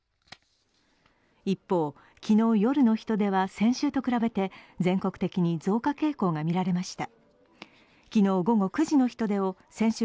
一方、昨日夜の人出は先週と比べて全国的に増加傾向がみられました。